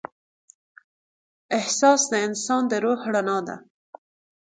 احساس د انسان د روح رڼا ده.